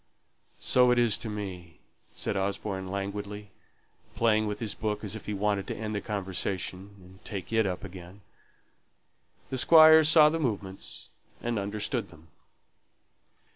"So it is to me," said Osborne, languidly, playing with his book as if he wanted to end the conversation and take it up again. The Squire saw the movements, and understood them.